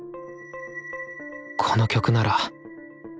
この曲なら譜面